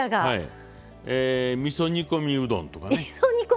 みそ煮込みうどんとかね。